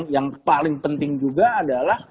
yang paling penting juga adalah